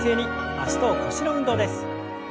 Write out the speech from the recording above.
脚と腰の運動です。